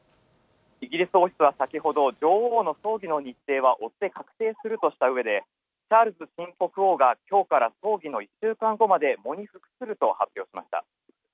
イギリス王室は先ほど女王の葬儀の日程は追って確定するとしたうえで、チャールズ新国王がきょうから葬儀の１週間後まで喪に服すると発表しました。